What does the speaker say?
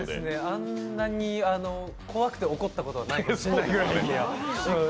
あんなに怖くて怒ったことはないです。